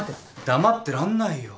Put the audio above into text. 黙ってらんないよ。